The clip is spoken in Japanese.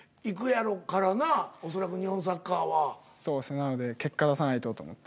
なので結果出さないとと思って。